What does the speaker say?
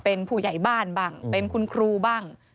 เป็นผู้ใหญ่บ้านบ้างเป็นคุณครูบ้าง